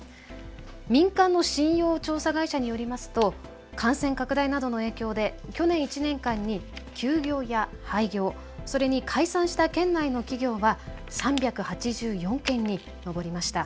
民間の信用調査会社によりますと感染拡大などの影響で去年１年間に休業や廃業それに解散した県内の企業は３８４件に上りました。